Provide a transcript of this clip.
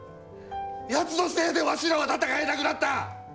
やつのせいでわしらは戦えなくなった！